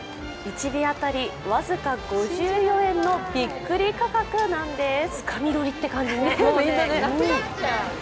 １尾当たり僅か５４円のびっくり価格なんです。